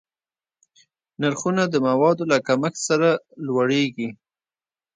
نرخونه د موادو له کمښت سره لوړېږي.